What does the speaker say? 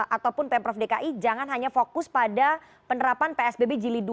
ataupun pemprov dki jangan hanya fokus pada penerapan psbb jili dua